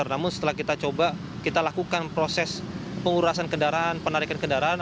namun setelah kita coba kita lakukan proses pengurasan kendaraan penarikan kendaraan